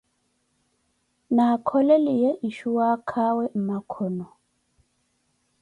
Na akholeliye nshuwakaawe mmakhono.